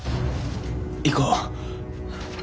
行こう。